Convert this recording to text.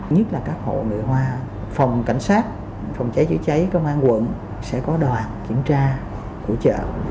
nhất là các hộ người hoa phòng cảnh sát phòng cháy chữa cháy công an quận sẽ có đoàn kiểm tra của chợ